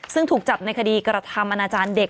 ซึ่งถูกจับในคดีกระทำอนาจารย์เด็ก